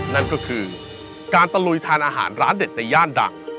นั่นก็คือการตะลุยทานอาหารร้านเด็ดในย่านดัง